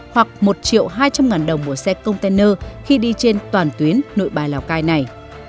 hoặc một hai trăm linh đồng một xe container khi đi trên toàn tuyến nội bài lào cai này